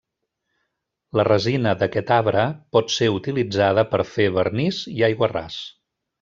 La resina d'aquest arbre pot ser utilitzada per fer vernís i aiguarràs.